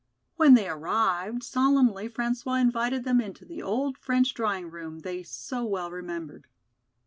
When they arrived, solemnly François invited them into the old French drawing room they so well remembered.